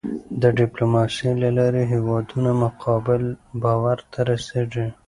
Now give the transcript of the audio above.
د ډیپلوماسی له لارې هېوادونه متقابل باور ته رسېږي.